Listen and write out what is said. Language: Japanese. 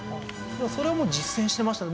それはもう実践してましたね。